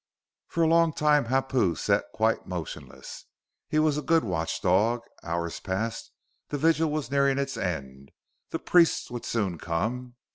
For along time Hapu sat quite motionless. He was a good watchdog. Hours passed; his vigil was nearing its end; the priests would soon come.